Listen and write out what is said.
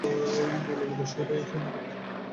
ললিতার সহিত এই সম্বন্ধে তাহার পুরুষের বক্ষ ভরিয়া উঠিল।